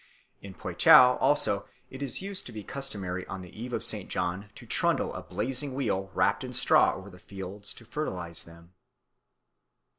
In Poitou also it used to be customary on the Eve of St. John to trundle a blazing wheel wrapt in straw over the fields to fertilise them.